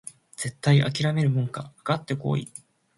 絶対あきらめるもんかかかってこい！